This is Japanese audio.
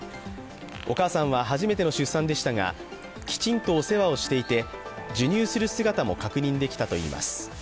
お母さんは初めての出産でしたが、きちんとお世話をしていて、授乳する姿も確認できたといいます。